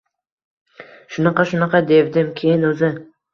Shunaqa-shunaqa devdim, keyin o`zi